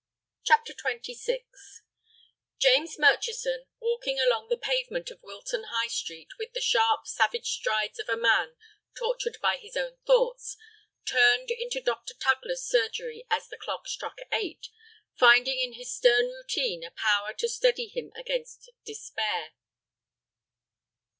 CHAPTER XXVI James Murchison, walking along the pavement of Wilton High Street with the sharp, savage strides of a man tortured by his own thoughts, turned into Dr. Tugler's surgery as the clock struck eight, finding in this stern routine a power to steady him against despair.